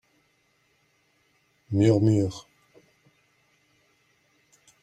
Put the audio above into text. Murmures.